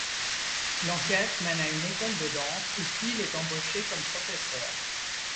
L'enquête mène à une école de danse, où Peel est embauchée comme professeur.